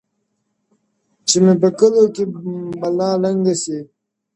چي مي په کلیو کي بلا لنګه سي-